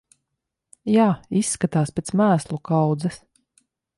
Jā, izskatās pēc mēslu kaudzes.